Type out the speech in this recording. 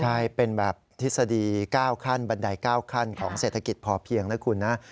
ใช่เป็นแบบทฤษฎี๙ขั้นบันได๙ขั้นของเศรษฐกิจพอเพียงนะคุณนะ